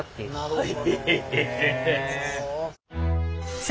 はい。